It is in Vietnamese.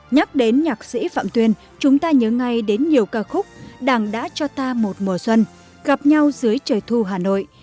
nhắc đến nhạc sĩ phạm tuyên chúng ta nhớ ngay đến nhiều ca khúc đàng đã cho ta một mùa xuân gặp nhau dưới trời thu hà nội